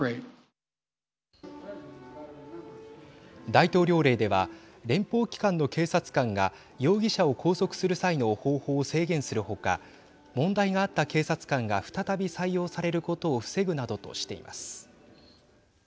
大統領令では連邦機関の警察官が容疑者を拘束する際の方法を制限するほか問題があった警察官が再び採用されることを防ぐなどとしています。